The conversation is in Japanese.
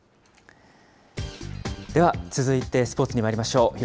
では、続いてスポーツにまいりましょう。